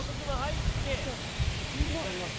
「３つあります」